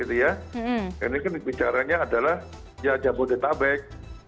ini kan bicaranya adalah ya jabodetabek